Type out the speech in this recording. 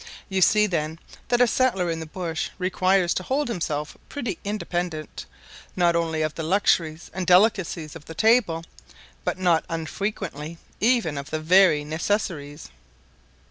You see, then, that a settler in the bush requires to hold himself pretty independent, not only of the luxuries and delicacies of the table, but not unfrequently even of the very necessaries.